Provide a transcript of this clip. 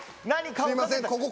すいませんここ。